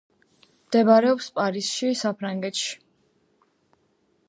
მდებარეობს პარიზში, საფრანგეთში.